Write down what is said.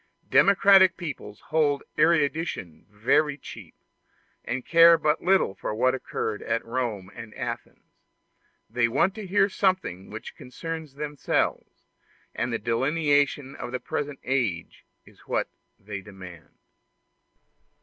Democratic peoples hold erudition very cheap, and care but little for what occurred at Rome and Athens; they want to hear something which concerns themselves, and the delineation of the present age is what they demand.